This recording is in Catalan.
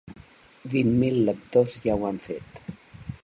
Vint mil lectors ja ho han fet.